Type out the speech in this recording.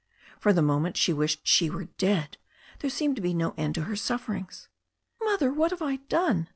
For the moment she wished she were dead. There seemed to be no end to her sufferings. "Mother, what have I done?"